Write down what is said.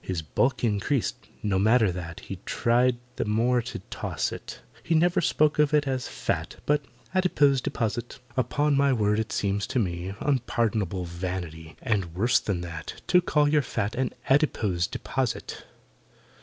His bulk increased—no matter that— He tried the more to toss it— He never spoke of it as "fat," But "adipose deposit." Upon my word, it seems to me Unpardonable vanity (And worse than that) To call your fat An "adipose deposit."